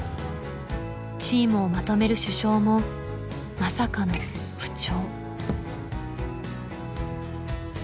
チームをまとめる主将もまさかの不調。